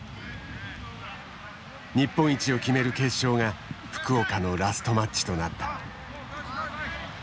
日本一を決める決勝が福岡のラストマッチとなった。